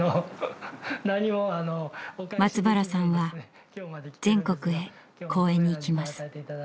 松原さんは全国へ講演に行きます。